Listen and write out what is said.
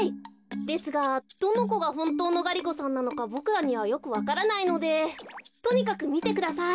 ですがどのこがほんとうのガリ子さんなのかボクらにはよくわからないのでとにかくみてください。